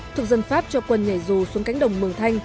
thực dân pháp cho quân nhảy dù xuống cánh đồng mường thanh